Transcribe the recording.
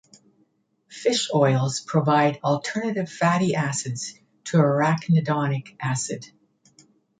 Fish oils provide alternative fatty acids to arachidonic acid.